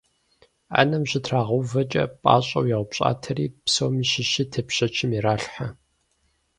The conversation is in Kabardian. Ӏэнэм щытрагъэувэкӀэ пӀащӀэу яупщӀатэри, псом щыщи тепщэчым иралъхьэ.